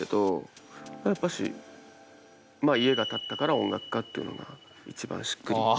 やっぱし家が建ったから音楽家っていうのが一番しっくり。